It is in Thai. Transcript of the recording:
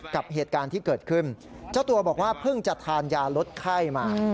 กับเหตุการณ์ที่เกิดขึ้นเจ้าตัวบอกว่าเพิ่งจะทานยาลดไข้มา